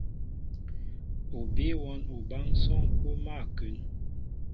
O bíy wɔ́n obánsɔ́ŋ ó mál a kún.